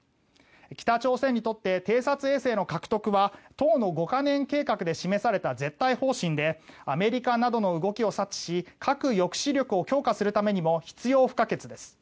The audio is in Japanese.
北朝鮮にとって偵察衛星の獲得は党の五カ年計画で示された絶対方針でアメリカなどの動きを察知し核抑止力を強化するためにも必要不可欠です。